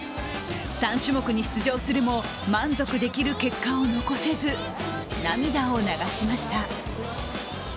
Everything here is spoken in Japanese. ３種目に出場するも、満足する結果を残せず、涙を流しました。